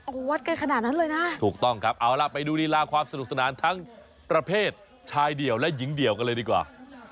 โอ้โหวัดกันขนาดนั้นเลยนะถูกต้องครับเอาล่ะไปดูลีลาความสนุกสนานทั้งประเภทชายเดี่ยวและหญิงเดี่ยวกันเลยดีกว่า